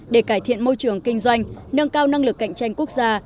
để cải thiện môi trường kinh doanh nâng cao năng lực cạnh tranh quốc gia